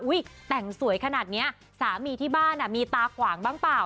แต่งสวยขนาดนี้สามีที่บ้านมีตาขวางบ้างเปล่า